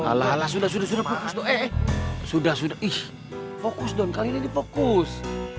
alah alah sudah sudah fokus dong eh sudah sudah ih fokus dong kalian ini fokus